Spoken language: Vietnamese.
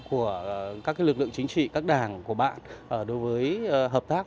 của các lực lượng chính trị các đảng của bạn đối với hợp tác